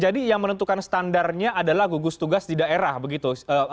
yang menentukan standarnya adalah gugus tugas di daerah begitu